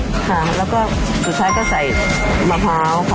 ค่ะแล้วก็สุดท้ายก็ใส่มะพร้าวค่ะ